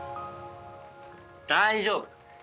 大丈夫。